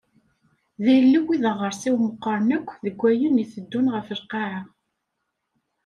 D ilew i d aɣersiw meqqren akk deg ayen iteddun ɣef lqaɛa.